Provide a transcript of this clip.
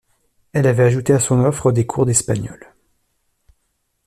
Elle avait ajouté à son offre des cours d'espagnol.